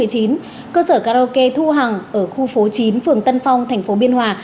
cơ sở karaoke thu hằng ở khu phố chín phường tân phong thành phố biên hòa